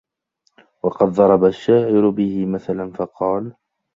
وَقَدْ ضَرَبَ الشَّاعِرُ بِهِ مَثَلًا قَالَ